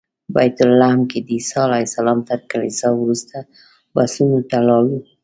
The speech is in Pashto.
بیت لحم کې د عیسی علیه السلام تر کلیسا وروسته بسونو ته لاړو.